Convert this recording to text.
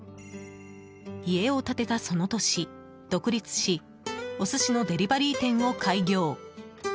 家を建てたその年、独立しお寿司のデリバリー店を開業。